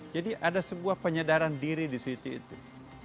jadi ada sebuah penyadaran diri disitu itu